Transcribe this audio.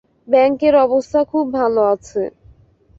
ব্যাংকের অবস্থা খুব ভালো আছে।